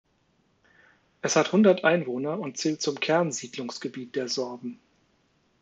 Es hat hundert Einwohner und zählt zum Kernsiedlungsgebiet der Sorben.